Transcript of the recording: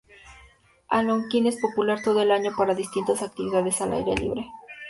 Algonquin es popular todo el año para distintas actividades al aire libre.